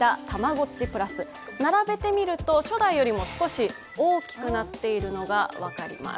並べてみると初代より少し大きくなっているのが分かります。